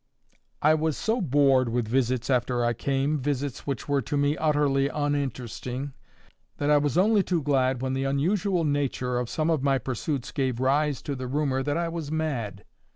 "I was so bored with visits after I came, visits which were to me utterly uninteresting, that I was only too glad when the unusual nature of some of my pursuits gave rise to the rumour that I was mad.